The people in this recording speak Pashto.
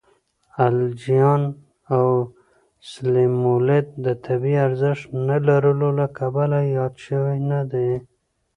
الجیان او سلیمولد د طبی ارزښت نه لرلو له کبله یاد شوي نه دي.